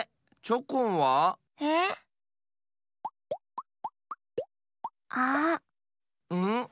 チョコンは？えっ？あっ！